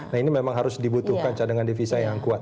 nah ini memang harus dibutuhkan cadangan devisa yang kuat